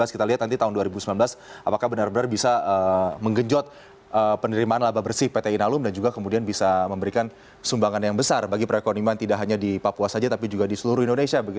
kita lihat nanti tahun dua ribu sembilan belas apakah benar benar bisa menggenjot penerimaan laba bersih pt inalum dan juga kemudian bisa memberikan sumbangan yang besar bagi perekonomian tidak hanya di papua saja tapi juga di seluruh indonesia